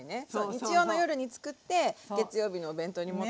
日曜の夜に作って月曜日のお弁当に持たせて